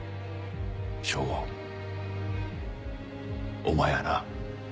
省吾お前やな？